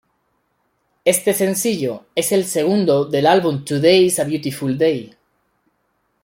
Este sencillo es el segundo del álbum Today Is a Beautiful Day.